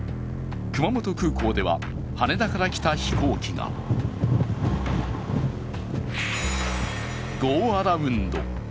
熊本空港では羽田から来た飛行機がゴーアラウンド。